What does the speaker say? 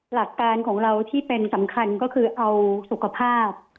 หลักการของเราที่เป็นสำคัญก็คือเอาสุขภาพ